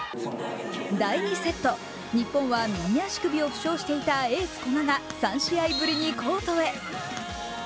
第２セット、日本は右足首を負傷していたエース・古賀が３試合ぶりにコートへ。